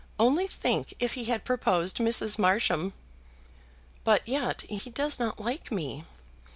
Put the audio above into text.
Only think if he had proposed Mrs. Marsham!" "But yet he does not like me."